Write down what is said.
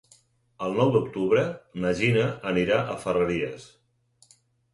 El nou d'octubre na Gina anirà a Ferreries.